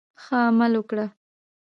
ښه عمل وکړه.